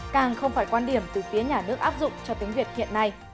càng không phải quan điểm từ phía nhà nước áp dụng cho tiếng việt hiện nay